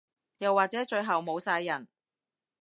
又或者最後冇晒人